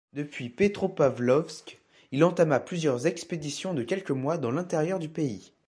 Depuis Petropavlovsk, il entama plusieurs expéditions de quelques mois dans l’intérieur du pays.